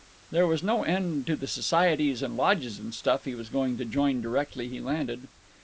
There was no end to the "societies and lodges and stuff" he was going to join directly he landed.